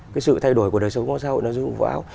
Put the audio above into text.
cái sự thay đổi của đời sống của xã hội nó dưới vụ bão